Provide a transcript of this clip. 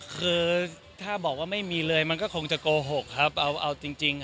คือถ้าบอกว่าไม่มีเลยมันก็คงจะโกหกครับเอาเอาจริงจริง